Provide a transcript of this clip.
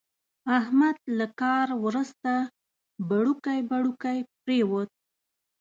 احمد له کار ورسته پړوکی پړوکی پرېوت.